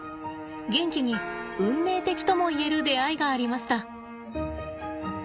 ゲンキに運命的とも言える出会いがありました。